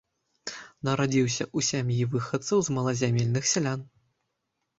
Нарадзіўся ў сям'і выхадцаў з малазямельных сялян.